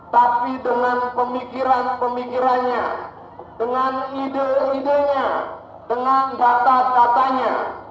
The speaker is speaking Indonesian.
tapi dengan pemikiran pemikirannya dengan ide idenya dengan data katanya